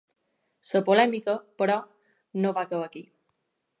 La polèmica, però, no va acabar aquí.